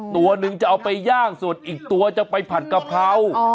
ตัวนึงจะเอาไปย่างสดอีกตัวจะไปผัดกะเพรา